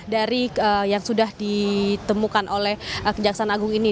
dari yang sudah ditemukan oleh kejaksaan agung ini